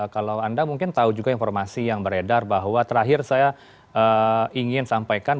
kalau anda mungkin tahu juga informasi yang beredar bahwa terakhir saya ingin sampaikan